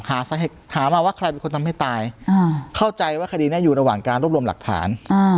หามาว่าใครเป็นคนทำให้ตายเข้าใจว่าคดีนี้อยู่ระหว่างการรวบรวมหลักฐาน